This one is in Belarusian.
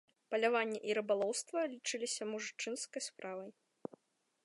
Паляванне і рыбалоўства лічыліся мужчынскай справай.